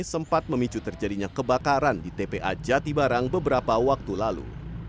sempat memicu terjadinya kebakaran di tpa jatibarang beberapa waktu lalu